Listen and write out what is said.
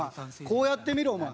こうやってみろお前。